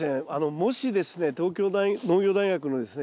もしですね東京農業大学のですね